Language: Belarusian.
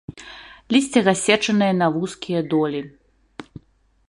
Лісце рассечанае на вузкія долі.